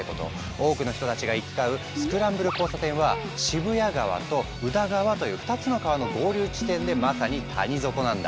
多くの人が行き交うスクランブル交差点は渋谷川と宇田川という２つの川の合流地点でまさに谷底なんだ。